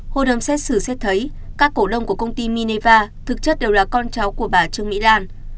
hội đồng xét xử xét thấy các cổ đông của công ty mineva thực chất đều là con cháu của bà trương mỹ lan